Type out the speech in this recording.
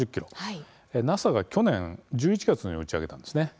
ＮＡＳＡが去年１１月に打ち上げたんですね。